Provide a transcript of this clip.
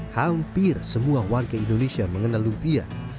hampir semua warga indonesia mengenal lumpia